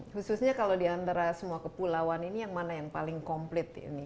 khususnya kalau di antara semua kepulauan ini yang mana yang paling komplit ini